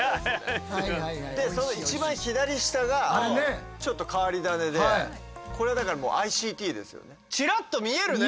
でその一番左下がちょっと変わり種でこれはだからチラッと見えるね。